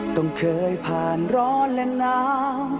ต้องเคยผ่านร้อนและหนาว